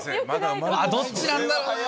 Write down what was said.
どっちなんだろうなぁ。